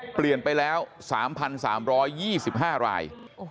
เปลี่ยนไปแล้ว๓๓๒๕ราย